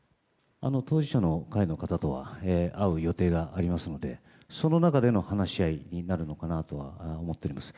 当事者の会の方とは会う予定がありますのでその中での話し合いになるのかなとは思っております。